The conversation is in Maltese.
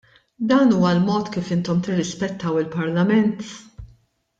Dan huwa l-mod kif intom tirrispettaw il-Parlament?!